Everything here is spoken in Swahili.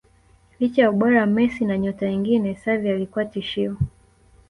Licha ya ubora wa Messi na nyota wengine Xavi alikuwa tishio